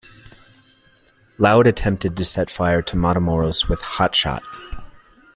Lowd attempted to set fire to Matamoros with "hot shot".